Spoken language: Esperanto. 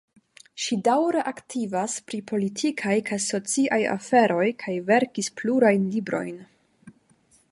Ŝi daŭre aktivas pri politikaj kaj sociaj aferoj kaj verkis plurajn librojn.